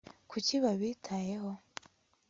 kuki babitayeho